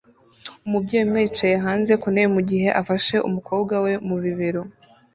Umubyeyi umwe yicaye hanze ku ntebe mu gihe afashe umukobwa we mu bibero